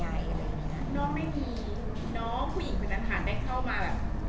น้องไม่มีน้องผู้หญิงคุณอันถัดได้เข้ามาแบบ